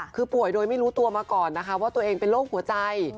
คือป่วยโดยไม่รู้ตัวมาก่อนนะคะว่าตัวเองเป็นโรคหัวใจ